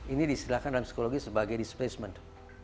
ini disilahkan dalam psikologi sebagai displacement